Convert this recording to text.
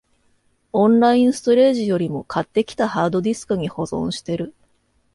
オンラインストレージよりも、買ってきたハードディスクに保存してる